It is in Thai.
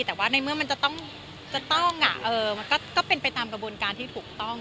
แต่ว่าในเมื่อมันจะต้องมันก็เป็นไปตามกระบวนการที่ถูกต้อง